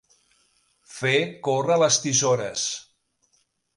Fer córrer les tisores.